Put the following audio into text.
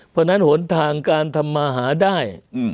เพราะฉะนั้นหนทางการทำมาหาได้